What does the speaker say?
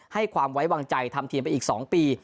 ให้ความไว้วางใจทำทีมไปอีก๒ปี